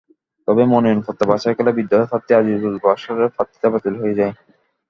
তবে মনোনয়নপত্র বাছাইকালে বিদ্রোহী প্রার্থী আজিজুল বাসারের প্রার্থিতা বাতিল হয়ে যায়।